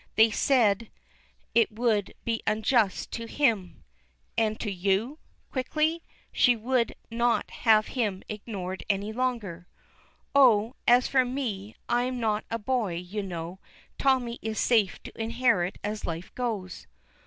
They said it would be unjust to him " "And to you," quickly. She would not have him ignored any longer. "Oh, as for me, I'm not a boy, you know. Tommy is safe to inherit as life goes."